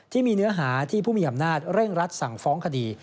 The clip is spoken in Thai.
เนื้อหาที่ผู้มีอำนาจเร่งรัดสั่งฟ้องคดี